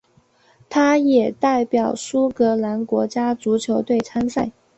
他也代表苏格兰国家足球队参赛。